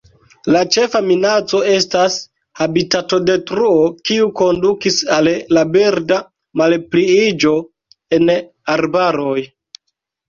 La ĉefa minaco estas habitatodetruo kiu kondukis al la birda malpliiĝo en arbaroj.